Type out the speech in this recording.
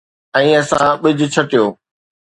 ۽ اسان ٻج ڇٽيو